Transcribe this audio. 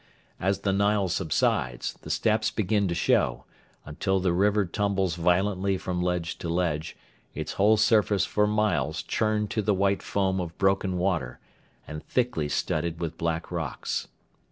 As the Nile subsides, the steps begin to show, until the river tumbles violently from ledge to ledge, its whole surface for miles churned to the white foam of broken water, and thickly studded with black rocks.